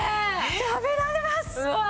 食べられます！